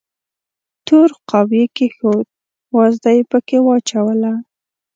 تور قاب یې کېښود، وازده یې پکې واچوله.